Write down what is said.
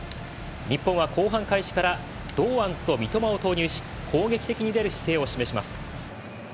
日本は後半開始から堂安と三笘を投入し攻撃的に出る姿勢を示します。